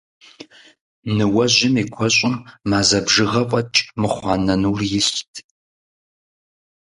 Ныуэжьым и куэщӀым мазэ бжыгъэ фӀэкӀ мыхъуа нэнур илът.